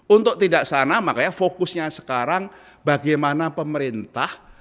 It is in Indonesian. untuk tidak sana makanya fokusnya sekarang bagaimana pemerintah